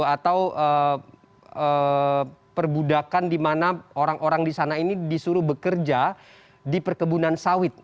atau perbudakan di mana orang orang di sana ini disuruh bekerja di perkebunan sawit